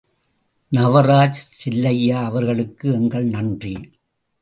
நவராஜ் செல்லையா அவர்களுக்கு எங்கள் நன்றி.